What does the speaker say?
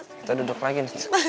kita duduk lagi